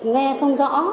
nghe không rõ